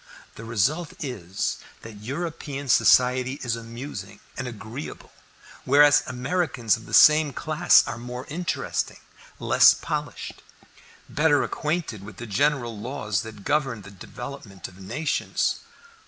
The result is, that European society is amusing and agreeable; whereas Americans of the same class are more interesting, less polished, better acquainted with the general laws that govern the development of nations."